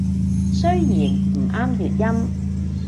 雖然唔啱粵音